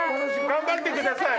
頑張ってください